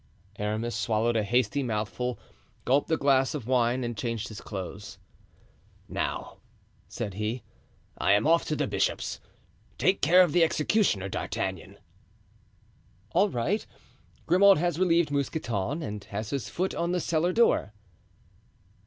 Aramis swallowed a hasty mouthful, gulped a glass of wine and changed his clothes. "Now," said he, "I'm off to the bishop's. Take care of the executioner, D'Artagnan." "All right. Grimaud has relieved Mousqueton and has his foot on the cellar door."